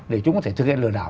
để chúng có thể thực hiện lừa đảo